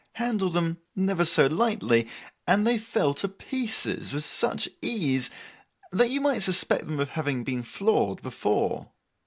Handle them never so lightly, and they fell to pieces with such ease that you might suspect them of having been flawed before.